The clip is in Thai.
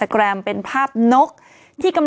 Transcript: ก็เป็นลายสวยอะ